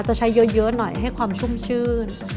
จะใช้เยอะหน่อยให้ความชุ่มชื่น